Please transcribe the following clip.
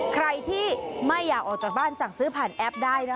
ใครที่ไม่อยากออกจากบ้านสั่งซื้อผ่านแอปได้นะคะ